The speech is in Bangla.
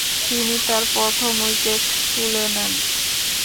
তিনি তার প্রথম উইকেট তুলে নেন।